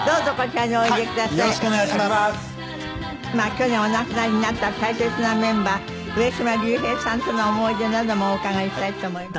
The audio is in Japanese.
去年お亡くなりになった大切なメンバー上島竜兵さんとの思い出などもお伺いしたいと思います。